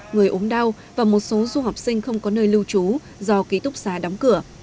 người ốm đau và một số du học sinh không có nơi lưu trú do ký túc xá đóng cửa